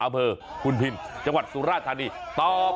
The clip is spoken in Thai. อเผอหุ่นพิมจังหวัดสุราธารณีต่อไป